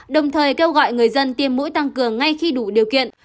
đồng thời kêu gọi người dân tiêm mũi tăng cường ngay khi đủ điều kiện